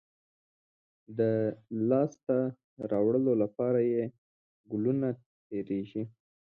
د لاسته راوړلو لپاره یې کلونه تېرېږي.